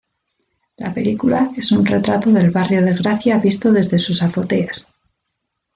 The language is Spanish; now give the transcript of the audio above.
La película es un retrato del barrio de Gracia visto desde sus azoteas.